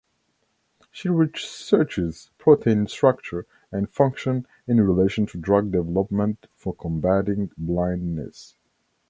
She researches protein structure and function in relation to drug development for combating blindness.